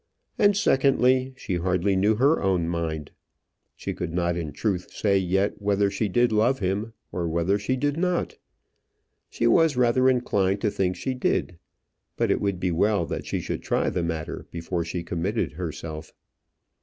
And secondly, she hardly knew her own mind. She could not in truth say yet whether she did love him, or whether she did not. She was rather inclined to think she did; but it would be well that she should try the matter before she committed herself.